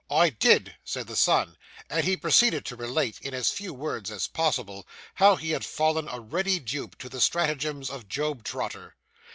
'I did,' said the son; and he proceeded to relate, in as few words as possible, how he had fallen a ready dupe to the stratagems of Job Trotter.